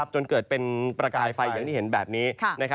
จนเกิดเป็นประกายไฟอย่างที่เห็นแบบนี้